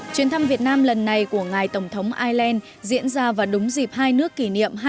chuyên thăm việt nam lần này của ngài tổng thống island diễn ra vào đúng dịp hai nước kỷ niệm